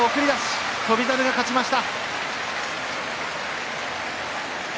翔猿が勝ちました。